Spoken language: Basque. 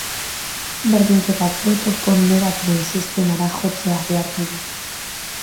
Berdinketak boto ponderatuen sistemara jotzea behartu du.